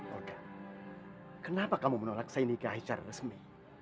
olga kenapa kamu menolak saya nikah secara resmi